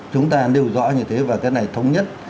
chúng ta điều dõi như thế và cái này thống nhất